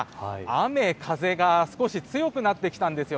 雨風が少し強くなってきたんです。